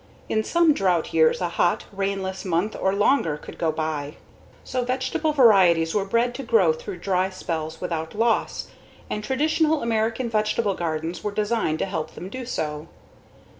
In some drought years a hot, rainless month or longer could go by. So vegetable varieties were bred to grow through dry spells without loss, and traditional American vegetable gardens were designed to help them do so.